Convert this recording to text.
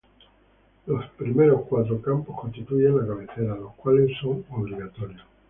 Los primeros cuatro campos constituyen la cabecera, los cuales son obligatorios.